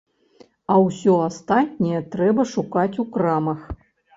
А ўсё астатняе трэба шукаць у крамах.